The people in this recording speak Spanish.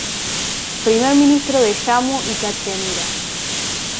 Primer Ministro de Jammu y Cachemira.